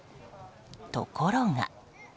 ところが。